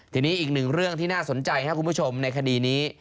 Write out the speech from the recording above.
ทีนี้อีกหนึ่งเรื่องที่น่าสนใจครับคุณผู้ชมในคดีนี้